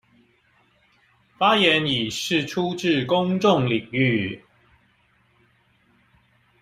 發言以釋出至公眾領域